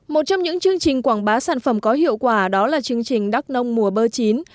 một trong những chương trình quảng bá sản phẩm có hiệu quả đó là chương trình đắk nông mùa bơ chín